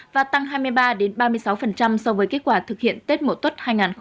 và tăng hai mươi ba ba mươi sáu so với kết quả thực hiện tết mổ tốt hai nghìn một mươi tám